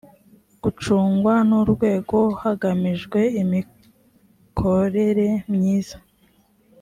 gacungwa n’urwego hagamijwe imikoreremyiza